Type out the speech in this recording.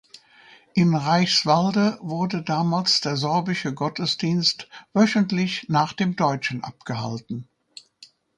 In Reichwalde wurde damals der sorbische Gottesdienst wöchentlich nach dem deutschen abgehalten.